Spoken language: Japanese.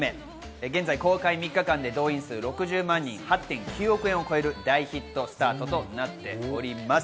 現在、公開３日間で動員数６０万人、８．９億円を超える大ヒットスタートとなっています。